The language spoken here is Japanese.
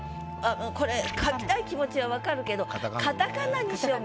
これ書きたい気持ちはわかるけどカタカナにしよう